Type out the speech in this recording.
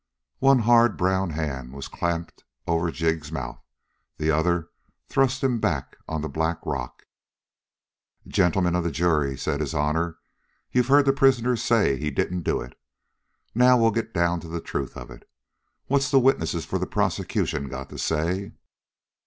One hard, brown hand was clapped over Jig's mouth. The other thrust him back on the black rock. "Gentlemen of the jury," said his honor, "you've heard the prisoner say he didn't do it. Now we'll get down to the truth of it. What's the witnesses for the prosecution got to say?"